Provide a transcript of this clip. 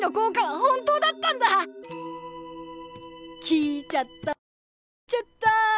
聞いちゃった聞いちゃった！